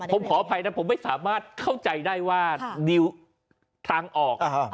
ผมขออภัยนะผมไม่สามารถเข้าใจได้ว่านิวทางออก